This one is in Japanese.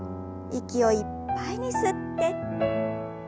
息をいっぱいに吸って。